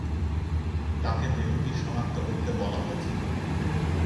তাকে দেহটি শনাক্ত করতে বলা হয়েছিল।